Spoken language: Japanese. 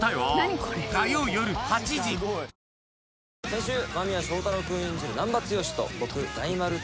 先週間宮祥太朗君演じる